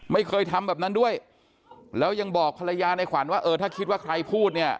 ไม่เคยทำแบบนั้นด้วยแล้วยังบอกภรรยาในขวัญว่าเออถ้าคิดว่าใครพูดเนี่ย